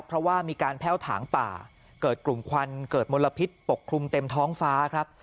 เพราะว่ามีการแพ่วถางป่าเกิดกลุ่มควันเกิดมลพิษปกคลุมเต็มท้องฟ้าครับ